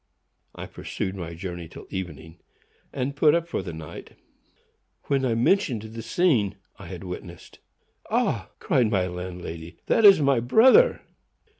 I pursued my journey till evening, and put up for the night, when I mentioned the scene I had witnessed. "Ah!" cried my landlady, "that is my brother!"